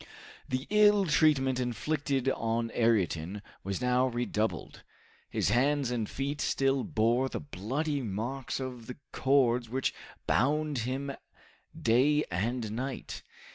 The ill treatment inflicted on Ayrton was now redoubled. His hands and feet still bore the bloody marks of the cords which bound him day and night.